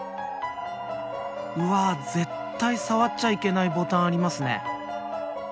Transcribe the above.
うわ絶対触っちゃいけないボタンありますね。